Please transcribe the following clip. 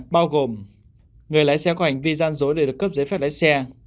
bao gồm người lái xe có hành vi gian dối để được cấp giấy phép lái xe